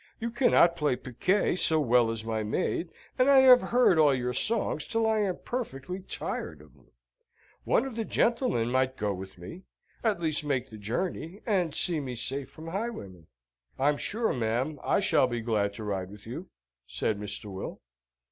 You cannot play piquet so well as my maid, and I have heard all your songs till I am perfectly tired of them! One of the gentlemen might go with me: at least make the journey, and see me safe from highwaymen." "I'm sure, ma'am, I shall be glad to ride with you," said Mr. Will.